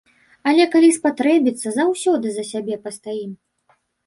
Але калі спатрэбіцца, заўсёды за сябе пастаім.